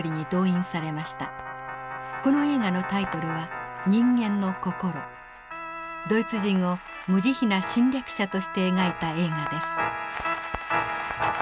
この映画のタイトルはドイツ人を無慈悲な侵略者として描いた映画です。